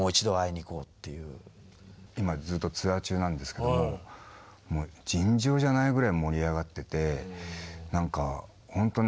今ずっとツアー中なんですけども尋常じゃないぐらい盛り上がっててほんとね